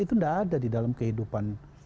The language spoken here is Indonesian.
dan itu tidak ada di dalam kehidupan